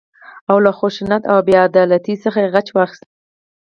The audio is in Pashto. او له خشونت او بې عدالتۍ څخه غچ واخيست.